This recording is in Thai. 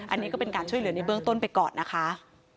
อันนี้ก็เป็นการช่วยเหลือในเบื้องต้นไปก่อนนะคะ